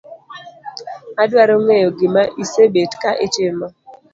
Adwaro ng'eyo gima isebet ka itimo